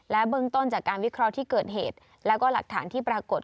เบื้องต้นจากการวิเคราะห์ที่เกิดเหตุแล้วก็หลักฐานที่ปรากฏ